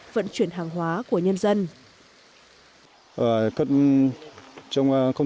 vẫn chuyển hàng hóa của nhân dân